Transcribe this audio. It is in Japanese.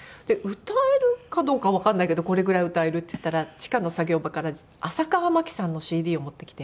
「歌えるかどうかわかんないけどこれぐらい歌える」って言ったら地下の作業場から浅川マキさんのＣＤを持ってきて